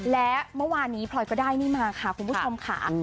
และเมื่อวานนี้พลอยก็ได้นี่มาค่ะคุณผู้ชมค่ะ